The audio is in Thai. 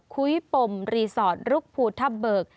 คุ้ยปมรีสอร์ทรุกภูทับเบิก